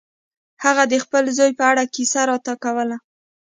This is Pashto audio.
هغه د خپل زوی په اړه کیسه راته کوله.